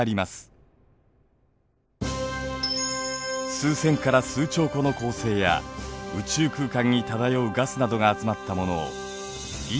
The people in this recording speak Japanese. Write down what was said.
数千から数兆個の恒星や宇宙空間に漂うガスなどが集まったものを銀河といいます。